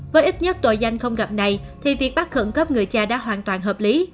với ít nhất tội danh không gặp này thì việc bắt khẩn cấp người cha đã hoàn toàn hợp lý